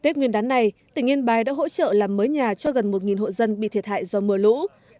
tết nguyên đán này tỉnh yên bái đã hỗ trợ làm mới nhà cho gần một hộ dân bị thiệt hại do mưa lũ